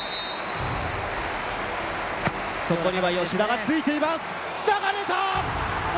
ここには吉田がついています。